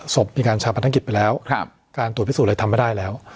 ศพมีการชาปนกิจไปแล้วการตรวจพิสูจนอะไรทำไม่ได้แล้ว